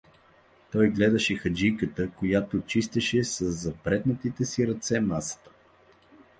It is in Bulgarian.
Той гледаше ханджийката, която чистеше със запретнатите си ръце масата.